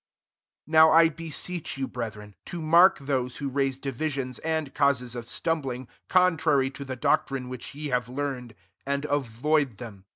17 Now I beseech you, breth ren, to mark those who raise divisions and causes of :stumb ling, contrary to the doctrine which ye have learned; and avoid them.